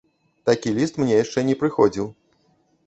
Такі ліст мне яшчэ не прыходзіў.